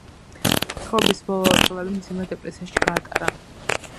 ცხოვრების ბოლო წლები მძიმე დეპრესიაში გაატარა.